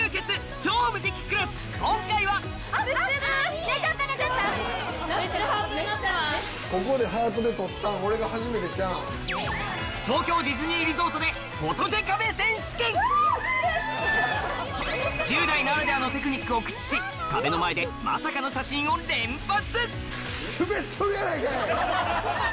『超無敵クラス』今回は１０代ならではのテクニックを駆使し壁の前でまさかの写真を連発！